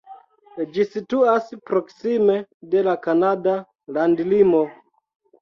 Ĝi situas proksime de la kanada landlimo.